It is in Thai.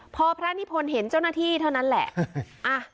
พอพระนิพนธ์เห็นเจ้าหน้าที่เท่านั้นแหละ